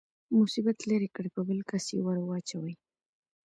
مصیبت لرې کړي په بل کس يې ورواچوي.